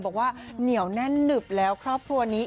บอกว่าเหนียวแน่นหนึบแล้วครอบครัวนี้